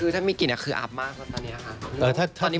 คือถ้ามีกลิ่นคืออับมากตอนนี้ค่ะ